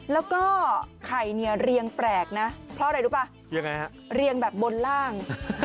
แล้วก็ไข่เนี่ยเรียงแปลกนะเพราะอะไรรู้ป่ะยังไงฮะเรียงแบบบนล่าง